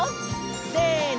せの！